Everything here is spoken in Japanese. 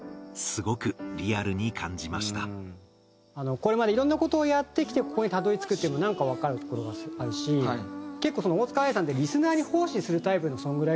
これまでいろんな事をやってきてここにたどり着くっていうのはなんかわかるところがあるし結構大塚愛さんってリスナーに奉仕するタイプのソングライターだと思うんですよ。